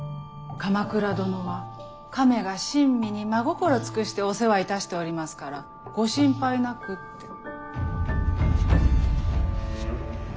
鎌倉殿は亀が親身に真心尽くしてお世話いたしておりますからご心配なくって。